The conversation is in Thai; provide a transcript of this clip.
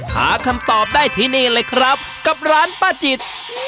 หาคำตอบได้ที่นี่เลยครับกับร้านป้าจิต